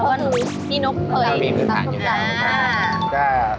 เพราะว่าพี่นกเคยมีมือสามารถอยู่แล้ว